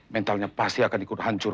mentalnya pasti akan ikut hancur